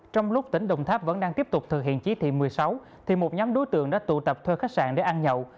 trong lúc tỉnh đồng tháp vẫn đang tiếp tục thực hiện chỉ thị một mươi sáu thì một nhóm đối tượng đã tụ tập thuê khách sạn để ăn nhậu